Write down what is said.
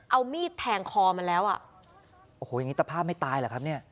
เอามีดแทงคอมันแล้วอ่ะโอ้โหอย่างงี้ตะภาพไม่ตายเหรอครับเนี่ย